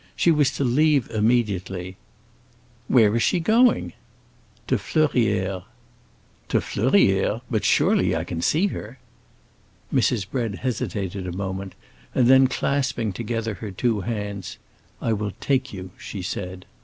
"She was to leave immediately." "Where is she going?" "To Fleurières." "To Fleurières? But surely I can see her?" Mrs. Bread hesitated a moment, and then clasping together her two hands, "I will take you!" she said.